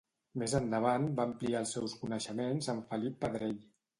Més endavant va ampliar els seus coneixements amb Felip Pedrell.